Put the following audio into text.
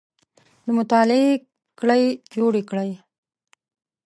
د مطالعې کړۍ جوړې کړئ